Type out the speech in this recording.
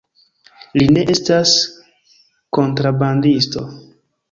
Li ne estas kontrabandisto.